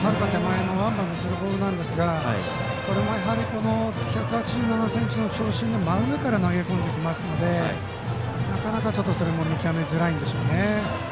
ワンバウンドする球なんですがこれもやはり１８７ｃｍの長身で真上から投げ込んできますのでなかなか見極めづらいんでしょうね。